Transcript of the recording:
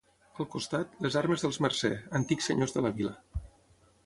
Al costat, les armes dels Mercer, antics senyors de la vila.